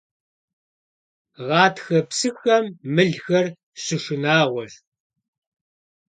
Гъатхэ псыхэм мылхэр щышынагъуэщ.